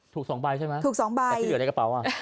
ถูก๒ใบใช่ไหมถูก๒ใบแต่ที่เหลือในกระเป๋า